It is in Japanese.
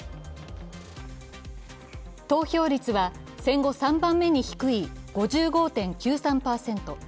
投票率は戦後３番目に低い５５．９３％。